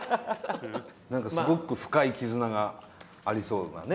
何かすごく深い絆がありそうなね